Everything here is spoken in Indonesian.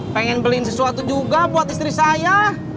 pengen beliin sesuatu juga buat istri saya